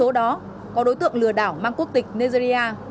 số đó có đối tượng lừa đảo mang quốc tịch nigeria